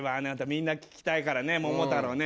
みんな聞きたいからね『桃太郎』ね。